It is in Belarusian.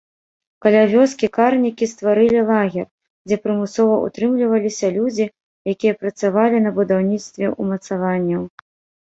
Каля вёскі карнікі стварылі лагер, дзе прымусова ўтрымліваліся людзі, якія працавалі на будаўніцтве ўмацаванняў.